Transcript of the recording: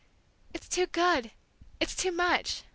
"It's too good it's too much!"